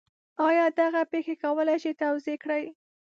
آیا دغه پېښه کولی شئ توضیح کړئ؟